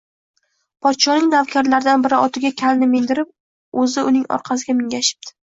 Podshoning navkarlaridan biri otiga kalni mindirib, o‘zi uning orqasiga mingashibdi